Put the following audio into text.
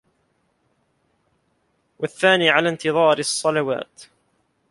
وَالثَّانِي عَلَى انْتِظَارِ الصَّلَوَاتِ